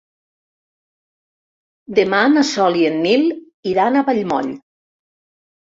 Demà na Sol i en Nil iran a Vallmoll.